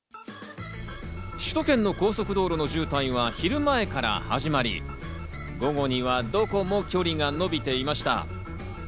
首都圏の高速道路の渋滞は昼前から始まり、午後にはどこも距離がのびていました。